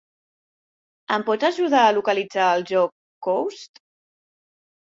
Em pots ajudar a localitzar el joc, Coast?